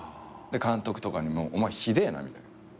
で監督とかにも「お前ひでえな」みたいな。